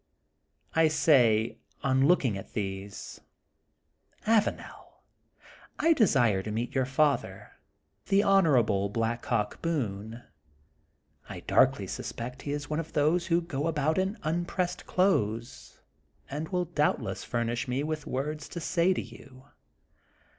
I say, on looking at these: Avanel, I de sire to meet your father, the honorable Black Hawk Booncv I darkly suspect he is one of THE GOLDEN BOOK OF SPRINGFIELD 87 those who go abont in impressed clothes and will doubtless fnmish me with words to say to yon.